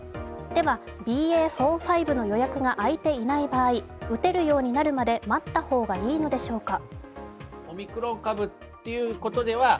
では、ＢＡ．４−５の予約があいていない場合打てるようになるまで待った方がいいのでしょうか。